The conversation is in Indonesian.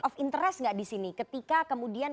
of interest nggak di sini ketika kemudian